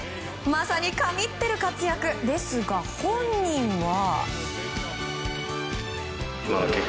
まさに神ってる活躍ですが本人は。